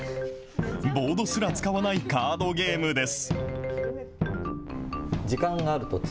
ボードすら使わないカードゲームです。